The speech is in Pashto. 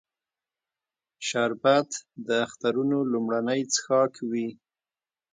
شربت د اخترونو لومړنی څښاک وي